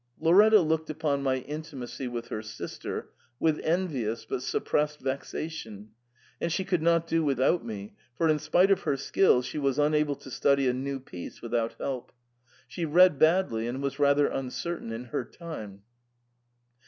" Lauretta looked upon my intimacy with her sister with envious but suppressed vexation, and she could not do without me, for, in spite of her skill, she was unable to study a new piece without help ; she read badly, and was rather uncertain in her time.